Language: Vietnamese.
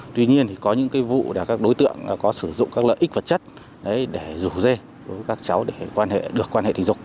tuy nhiên có những vụ các đối tượng có sử dụng các lợi ích vật chất để rủ dê các cháu để được quan hệ tình dục